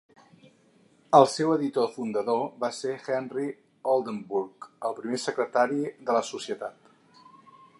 El seu editor fundador va ser Henry Oldenburg, el primer secretari de la societat.